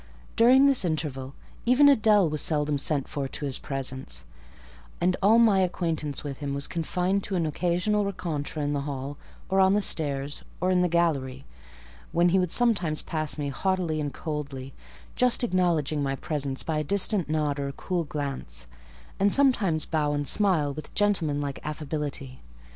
During this interval, even Adèle was seldom sent for to his presence, and all my acquaintance with him was confined to an occasional rencontre in the hall, on the stairs, or in the gallery, when he would sometimes pass me haughtily and coldly, just acknowledging my presence by a distant nod or a cool glance, and sometimes bow and smile with gentlemanlike affability.